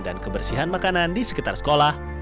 dan kebersihan makanan di sekitar sekolah